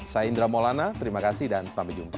saya indra maulana terima kasih dan sampai jumpa